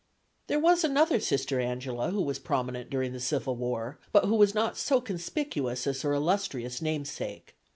There was another Sister Angela who was prominent during the civil war, but who was not so conspicuous as her illustrious namesake.